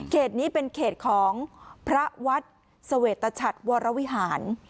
นี้เป็นเขตของพระวัดเสวตชัดวรวิหาร